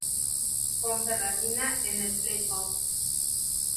Ponferradina en el "playoff".